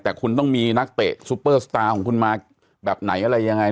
แต่คุณต้องมีนักเตะซุปเปอร์สตาร์ของคุณมาแบบไหนอะไรยังไง